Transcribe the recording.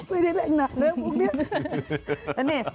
ไม่ได้เล่นหนักเรื่องพวกนี้